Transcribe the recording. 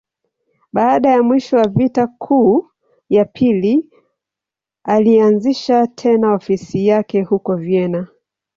Baada ya mwisho wa Vita Kuu ya Pili, alianzisha tena ofisi yake huko Vienna.